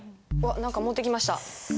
何か持ってきました。